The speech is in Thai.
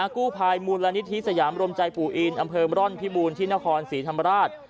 กู้ภัยมูลนิธิสยามรมใจปู่อินอำเภอมร่อนพิบูรณ์ที่นครศรีธรรมราช